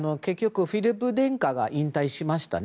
フィリップ殿下が引退しましたね。